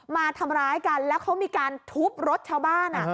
มาทำร้ายกันแล้วเขามีการทุบรถชาวบ้าน